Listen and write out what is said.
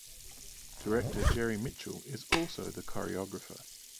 Director Jerry Mitchell is also the choreographer.